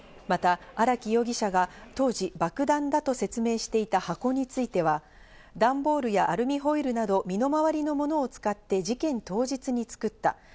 また、荒木容疑者が当時、爆弾だと説明していた箱については、段ボールやアルミホイルなど身の回りのものを使って、事件当日に作った。